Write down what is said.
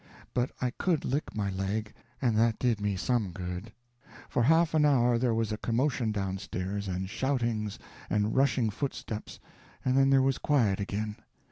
But I could lick my leg, and that did some good. For half an hour there was a commotion downstairs, and shoutings, and rushing footsteps, and then there was quiet again.